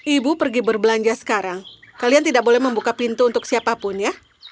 ibu pergi berbelanja sekarang kalian tidak boleh membuka pintu untuk siapapun ya